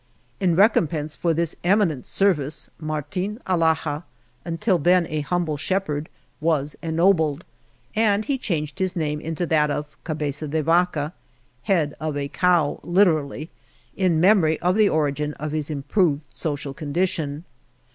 In recompense for this emi INTRODUCTION nent service, Martin Alhaja, until then a humble shepherd, .was ennobled, and he changed his name into that of Cabeza de Vaca (head of a cow, literally) in memory of the origin of his improved social condi tion.